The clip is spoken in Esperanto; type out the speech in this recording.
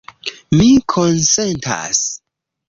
Mi konsentas.